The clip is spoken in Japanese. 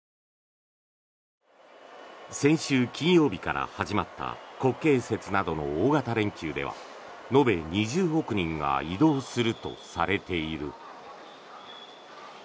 先週金曜日から始まった国慶節などの大型連休では延べ２０億人が移動するとされている。